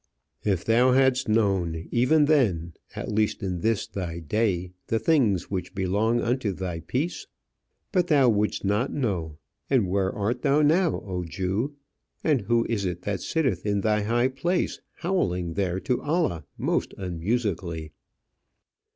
"If thou hadst known, even, then, at least in this thy day, the things which belong unto thy peace!" But thou wouldest not know. And where art thou now, O Jew? And who is it that sittest in thy high place, howling there to Allah most unmusically?